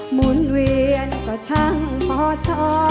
หมุนเวียนก็ช่างพ่อส้อ